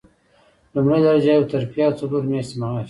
لومړۍ درجه یوه ترفیع او څلور میاشتې معاش.